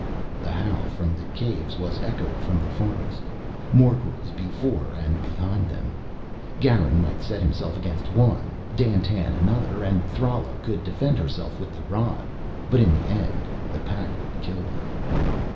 The howl from the Caves was echoed from the forest. Morgels before and behind them! Garin might set himself against one, Dandtan another, and Thrala could defend herself with the rod, but in the end the pack would kill them.